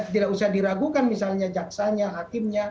bisa diragukan misalnya jaksanya hakimnya